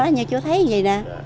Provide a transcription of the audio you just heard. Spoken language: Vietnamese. như chú thấy vậy nè